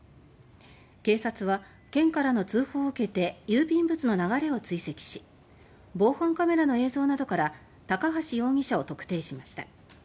警察は県からの通報を受けて郵便物の流れを追跡し防犯カメラの映像などから高橋容疑者を特定しました。